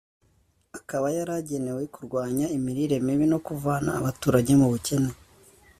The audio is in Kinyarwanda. akaba yaragenewe kurwanya imirire mibi no kuvana abaturage mu bukene